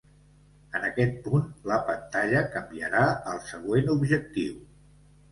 En aquest punt, la pantalla canviarà al següent objectiu.